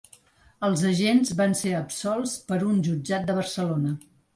Els agents van ser absolts per un jutjat de Barcelona.